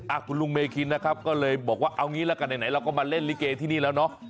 คุณลุงเมคินนะครับก็เลยบอกว่าเอางี้ละกันไหนเราก็มาเล่นลิเกที่นี่แล้วเนาะ